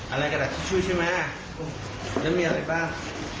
อะไรกระดาษชิชชู่ใช่ไหมแล้วมีอะไรบ้าง